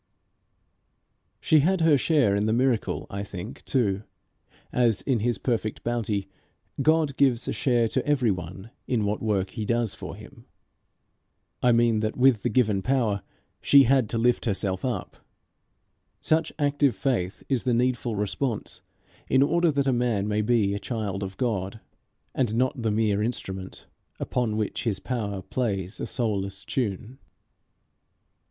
She had her share in the miracle I think too, as, in his perfect bounty, God gives a share to every one in what work He does for him. I mean, that, with the given power, she had to lift herself up. Such active faith is the needful response in order that a man may be a child of God, and not the mere instrument upon which his power plays a soulless tune.